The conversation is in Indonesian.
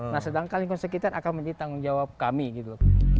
nah sedangkan lingkungan sekitar akan menjadi tanggung jawab kami gitu